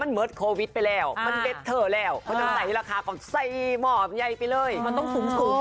มันต้องสูงขึ้นไปอีก